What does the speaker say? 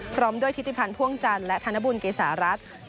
พร้อมด้วยทิติพันธ์พ่วงจันทร์และธนบุญเกษารัฐ